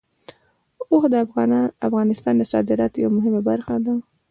اوښ د افغانستان د صادراتو یوه مهمه برخه ده.